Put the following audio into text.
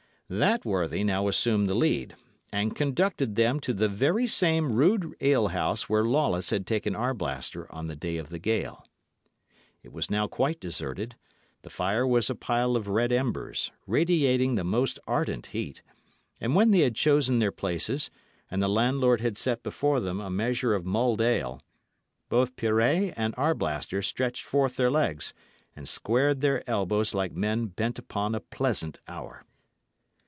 That worthy now assumed the lead, and conducted them to the very same rude alehouse where Lawless had taken Arblaster on the day of the gale. It was now quite deserted; the fire was a pile of red embers, radiating the most ardent heat; and when they had chosen their places, and the landlord had set before them a measure of mulled ale, both Pirret and Arblaster stretched forth their legs and squared their elbows like men bent upon a pleasant hour.